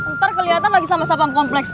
ntar keliatan lagi sama sampang kompleks